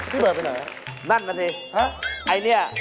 ที่เปิดไปไหนล่ะแม่งหน่ะสิไอ้นี่